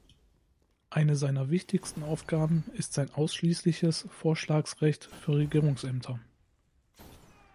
Eine seiner wichtigsten Aufgaben ist sein ausschließliches Vorschlagsrecht für Regierungsämter.